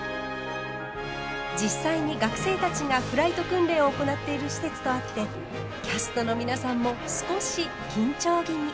実際に学生たちがフライト訓練を行っている施設とあってキャストの皆さんも少し緊張気味。